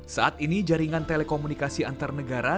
saat ini jaringan telekomunikasi antar negara